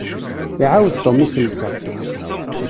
Iɛawed Tom iselsa.